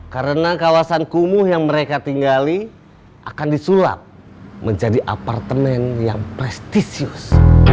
karena kawasan kumuh yang mereka tinggali akan disulap menjadi apartemen yang prestisius